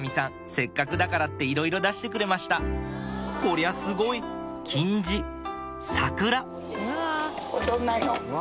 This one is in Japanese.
せっかくだからっていろいろ出してくれましたこりゃすごい！金地桜踊んないの？